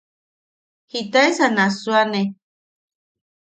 ¿Jitaesa nassuane?